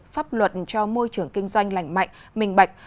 pháp luật cho môi trường kinh doanh lành mạnh minh bạch